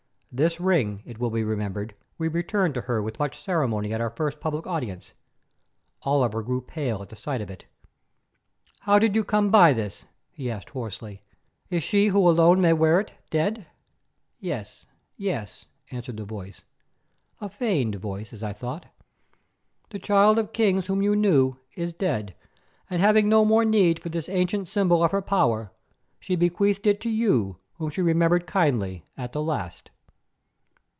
This ring, it will be remembered, we returned to her with much ceremony at our first public audience. Oliver grew pale at the sight of it. "How did you come by this?" he asked hoarsely. "Is she who alone may wear it dead?" "Yes, yes," answered the voice, a feigned voice as I thought. "The Child of Kings whom you knew is dead, and having no more need for this ancient symbol of her power, she bequeathed it to you whom she remembered kindly at the last."